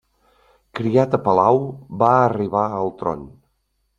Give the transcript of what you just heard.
Criat a palau va arribar al tron.